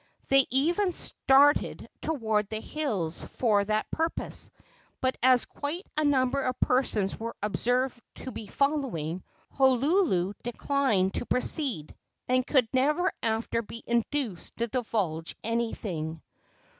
They even started toward the hills for that purpose, but, as quite a number of persons were observed to be following, Hoolulu declined to proceed, and could never after be induced to divulge anything.